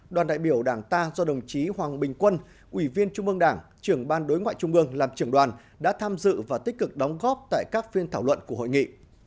đoàn đại biểu đảng ta do đồng chí hoàng bình quân ủy viên trung ương đảng trưởng ban đối ngoại trung ương làm trưởng đoàn đã tham dự và tích cực đóng góp tại các phiên thảo luận của hội nghị